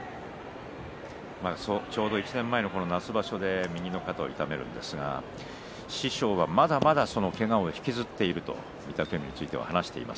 ちょうど１年前の夏場所で右の肩を痛めているんですが師匠は、まだまだけがを引きずっていると御嶽海については話しています